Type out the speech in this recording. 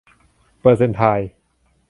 เปอร์เซ็นต์ไทล์